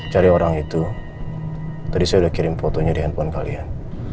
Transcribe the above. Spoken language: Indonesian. cari orang itu tadi saya sudah kirim fotonya di handphone kalian